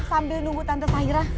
sambil nunggu tante syahira